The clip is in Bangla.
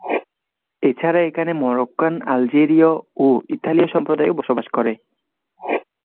এছাড়া এখানে মরোক্কান, আলজেরীয় ও ইতালীয় সম্প্রদায়ও বসবাস করে।